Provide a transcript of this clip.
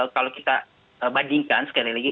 kalau kita bandingkan sekali lagi